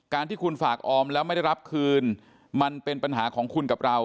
ที่คุณฝากออมแล้วไม่ได้รับคืนมันเป็นปัญหาของคุณกับเรา